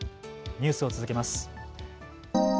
ニュースを続けます。